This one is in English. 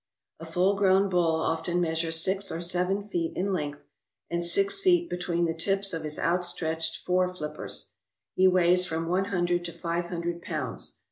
A full grown bull often measures six or seven feet in length and six feet between the tips of his outstretched fore flippers, rie weighs from one hundred to five hun dred pounds.